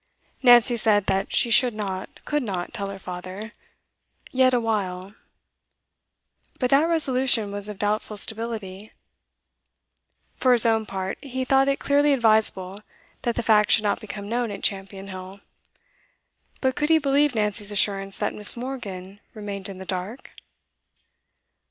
Nancy said that she should not, could not, tell her father, yet awhile; but that resolution was of doubtful stability. For his own part, he thought it clearly advisable that the fact should not become known at Champion Hill; but could he believe Nancy's assurance that Miss. Morgan remained in the dark?